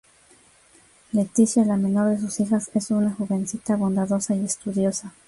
Leticia, la menor de sus hijas, es una jovencita bondadosa y estudiosa.